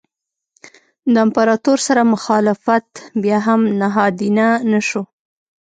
د امپراتور سره مخالفت بیا هم نهادینه نه شو.